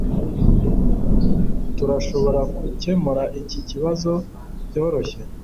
Turashobora gukemura iki kibazo byoroshye